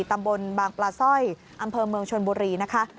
ตำบลบางปลาสร้อยอำเภอเมืองชนบุรีนะคะ